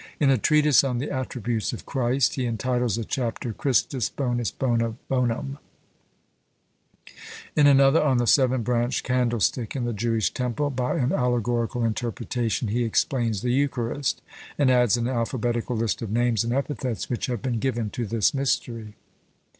In a treatise on the attributes of Christ, he entitles a chapter, Christus, bonus, bona, bonum: in another on the seven branched candlestick in the Jewish temple, by an allegorical interpretation, he explains the eucharist; and adds an alphabetical list of names and epithets which have been given to this mystery.